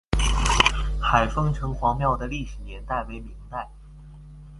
海丰城隍庙的历史年代为明代。